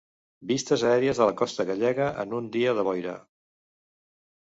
Vistes aèries de la costa gallega en un dia de boira.